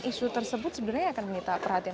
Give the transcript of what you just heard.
isu tersebut sebenarnya akan menyita perhatian